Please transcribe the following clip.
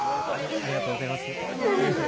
ありがとうございます。